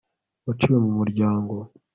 waciwe mu muryango